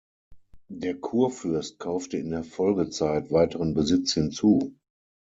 Der Kurfürst kaufte in der Folgezeit weiteren Besitz hinzu.